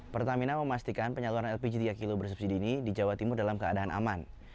pertamina memastikan penyaluran lpg tiga kg bersubsidi ini di jawa timur dalam keadaan aman